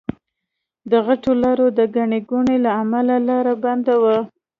د غټو لاريو د ګڼې ګوڼې له امله لار بنده وه.